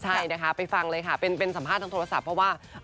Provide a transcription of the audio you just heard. ใช่นะคะไปฟังเลยค่ะเป็นสัมภาษณ์ทางโทรศัพท์เพราะว่า